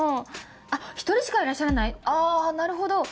あっ１人しかいらっしゃらないあなるほど。